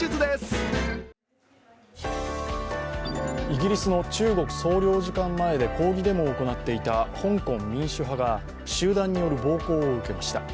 イギリスの中国総領事館前で抗議デモを行っていた香港民主派が集団による暴行を受けました。